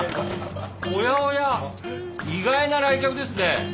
おやおや意外な来客ですね。